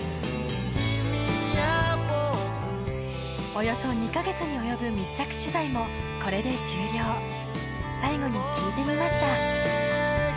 およそ２か月に及ぶ密着取材もこれで終了最後に聞いてみました